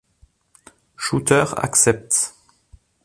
Shooter accepte.